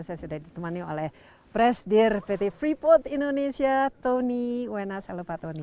saya sudah ditemani oleh pres pt freeport indonesia tony wenas halo pak tony